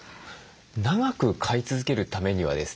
長く飼い続けるためにはですね